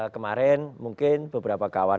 kemarin mungkin beberapa kawan